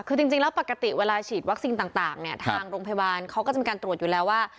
คือจริงแล้วปกติเวลาฉีดวัคซีนต่างเนี่ยทางโรงพยาบาลเขาก็จะมีการตรวจอยู่แล้วว่า